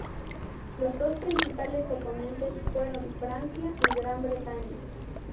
Los dos principales oponentes fueron Francia y Gran Bretaña.